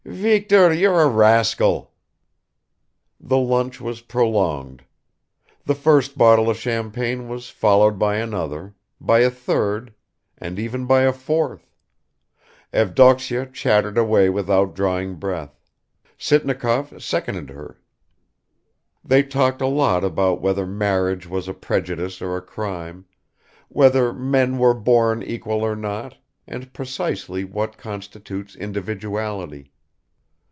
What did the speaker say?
"Viktor, you're a rascal!" The lunch was prolonged. The first bottle of champagne was followed by another, by a third, and even by a fourth ... Evdoksya chattered away without drawing breath; Sitnikov seconded her. They talked a lot about whether marriage was a prejudice or a crime, whether men were born equal or not, and precisely what constitutes individuality.